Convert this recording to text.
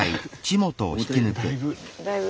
だいぶ。